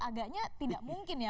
agaknya tidak mungkin ya